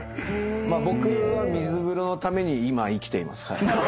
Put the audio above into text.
僕は水風呂のために今生きています。